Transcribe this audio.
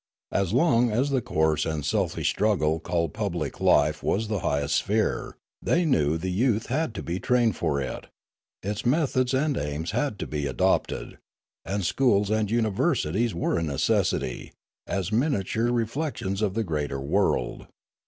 As long as the coarse and selfish struggle called public life was the highest sphere, they knew the youth had to be trained for it, its methods and aims had to be adopted, and schools and universities were a necessity, as miniature reflections of the greater world.